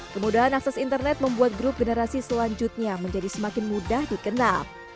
kemudahan akses internet membuat grup generasi selanjutnya menjadi semakin mudah dikenal